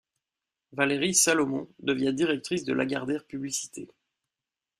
Valérie Salomon devient directrice de Lagardère Publicité.